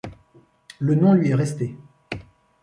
Le nom lui est resté.